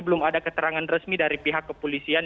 belum ada keterangan resmi dari pihak kepolisian